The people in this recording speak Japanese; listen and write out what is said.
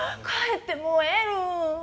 かえって萌える。